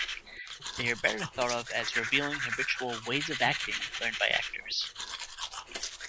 They are better thought of as revealing habitual "ways of acting" learned by actors.